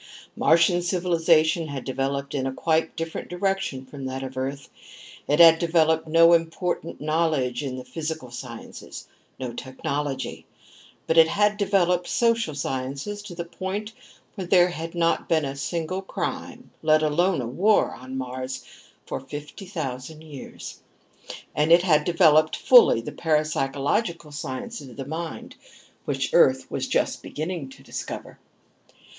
Martian civilization had developed in a quite different direction from that of Earth. It had developed no important knowledge of the physical sciences, no technology. But it had developed social sciences to the point where there had not been a single crime, let alone a war, on Mars for fifty thousand years. And it had developed fully the parapsychological sciences of the mind, which Earth was just beginning to discover.